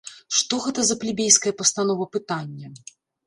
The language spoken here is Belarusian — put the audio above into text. Што гэта за плебейская пастанова пытання?!